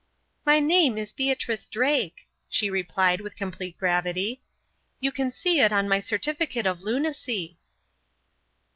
"My name is Beatrice Drake," she replied with complete gravity. "You can see it on my certificate of lunacy."